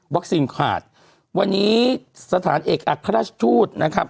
วัคซีนขาดวันนี้สถานเอกอัตภรรยาชทูต